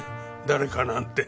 誰かなんて。